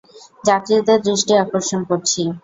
যাত্রীদের দৃষ্টি আকর্ষণ করছি।